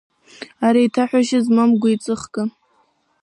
Ари еиҭаҳәашьа змам гәеиҵыхган.